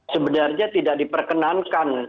sebenarnya tidak diperkenankan